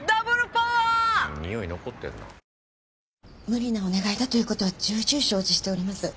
無理なお願いだということは重々承知しております。